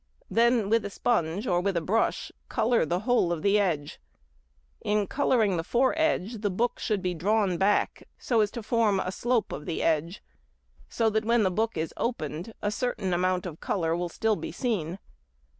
Then with a sponge or with a brush colour the whole of the edge. In colouring the foredge the book should be drawn back so as to form a slope of the edge, so that when the book is opened a certain amount of colour will still be seen.